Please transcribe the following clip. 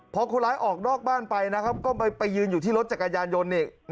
พอคนร้ายออกนอกบ้านไปนะครับก็ไปยืนอยู่ที่รถจักรยานยนต์อีก